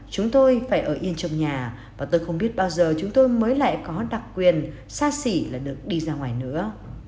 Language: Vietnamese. chúng tôi phải ở yên trong nhà và tôi không biết bao giờ chúng tôi mới lại có đặc quyền xa xỉ là được đi ra ngoài nữa